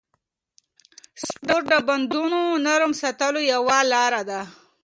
سپورت د بندونو نرم ساتلو یوه لاره ده.